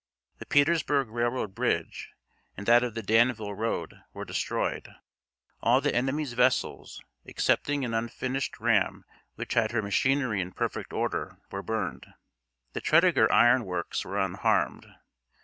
The Petersburg Railroad bridge, and that of the Danville road, were destroyed. All the enemy's vessels, excepting an unfinished ram which had her machinery in perfect order, were burned. The Tredegar Iron Works were unharmed.